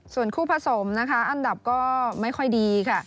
ส่วนคู่ผสมนะคะอันดับก็ไม่ค่อยดีค่ะ